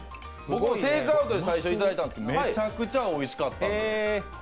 僕テークアウトで最初いただいたんですけど、めちゃくちゃおいしかった。